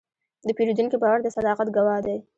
د پیرودونکي باور د صداقت ګواه دی.